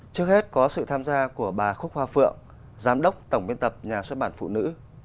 trước hết có sự tham gia của bà khúc hoa phượng giám đốc tổng biên tập nhà xuất bản phụ nữ